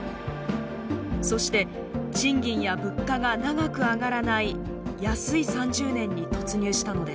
そして賃金や物価が長く上がらない「安い３０年」に突入したのです。